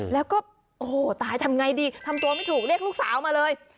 แล้วก็โอ้โหตายทำไงดีทำตัวไม่ถูกเรียกลูกสาวมาเลย